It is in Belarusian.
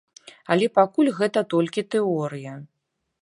Але пакуль гэта толькі тэорыя.